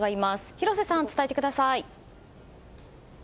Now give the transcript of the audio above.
廣瀬さん、伝えてください。